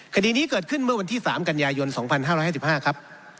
คดีนี้เกิดขึ้นเมื่อวันที่๓กันยายน๒๕๕๕ครับ